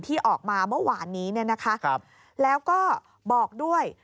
ที่ออกมาเมื่อวานนี้แล้วก็บอกด้วย